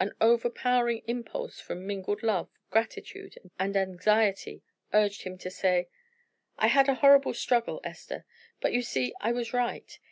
An overpowering impulse from mingled love, gratitude, and anxiety, urged him to say "I had a horrible struggle, Esther. But you see I was right.